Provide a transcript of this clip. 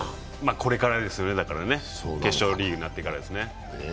これからですよね、決勝リーグになってからですよね。